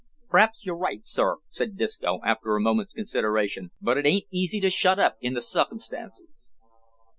"P'raps you're right sir," said Disco, after a moment's consideration, "but it ain't easy to shut up in the succumstances."